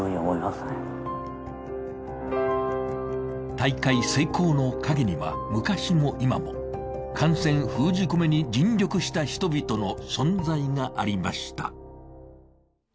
大会成功の陰には昔も今も、感染封じ込めに尽力した人々の存在がありました。